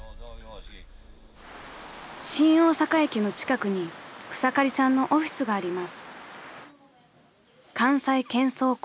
［新大阪駅の近くに草刈さんのオフィスがあります］